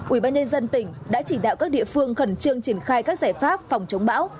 ủy ban nhân dân tỉnh đã chỉ đạo các địa phương khẩn trương triển khai các giải pháp phòng chống bão